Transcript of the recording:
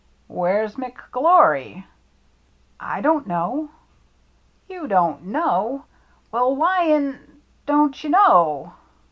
"Where's McGlory?" « I don't know." " You dorCt know ! Well, why in don't you know